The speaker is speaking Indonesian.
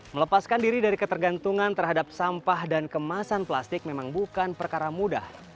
melepaskan diri dari ketergantungan terhadap sampah dan kemasan plastik memang bukan perkara mudah